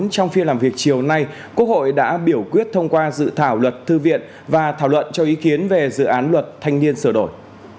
trong phiên làm việc chiều nay quốc hội đã biểu quyết thông qua dự thảo luật thư viện và thảo luận cho ý kiến về dự án luật thanh niên sửa đổi